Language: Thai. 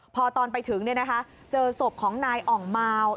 พอตอนไปถึงเจอศพของนายอ่องมาว